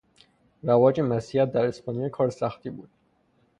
رواج مسیحیت در اسپانیا کار سختی بود.